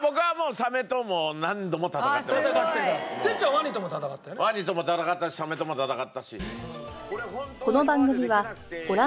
ワニとも戦ったしサメとも戦ったし。